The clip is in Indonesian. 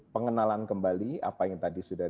pengenalan kembali apa yang tadi sudah